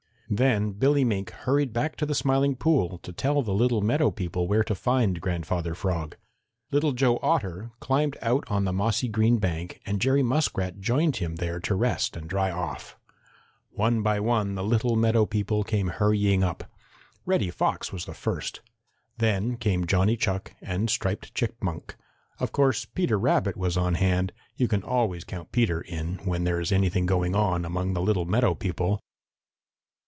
Then Billy Mink hurried back to the Smiling Pool to tell the little meadow people where to find Grandfather Frog. Little Joe Otter climbed out on the mossy green bank and Jerry Muskrat joined him there to rest and dry off. One by one the little meadow people came hurrying up. Reddy Fox was the first. Then came Johnny Chuck and Striped Chipmunk. Of course Peter Rabbit was on hand. You can always count Peter in, when there is anything going on among the little meadow people.